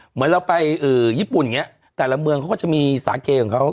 เหมือนเราไปญี่ปุ่นอย่างนี้แต่ละเมืองเขาก็จะมีสาเกของเขา